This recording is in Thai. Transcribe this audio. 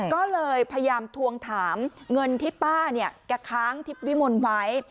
ก็เลยพยายามทวงถามเงินที่ป้าเนี่ยแกค้างทิพย์วิมลไว้